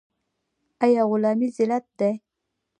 آیا غلامي ذلت دی؟